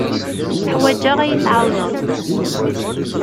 Ḥwajeɣ ad iyi-tɛawneḍ.